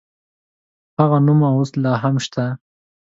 هغه نوم اوس لا هم شته.